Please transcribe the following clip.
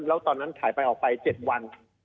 แล้วตอนนั้นถ่ายไปออกไป๗วัน